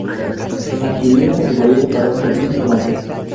Adquirió la categoría de parroquia bien pronto.